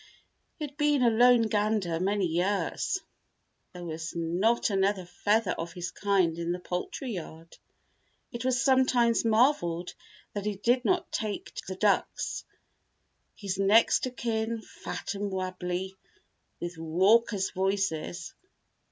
He had been a lone gander many years. There was not another feather of his kind in the poultry yard. It was sometimes marveled that he did not take to the ducks, his next of kin, fat and wabbly, with raucous voices.